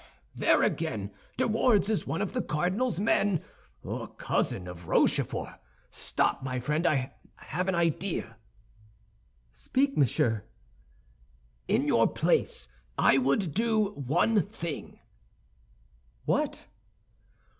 "There again! De Wardes, one of the cardinal's men, a cousin of Rochefort! Stop, my friend, I have an idea." "Speak, monsieur." "In your place, I would do one thing." "What?"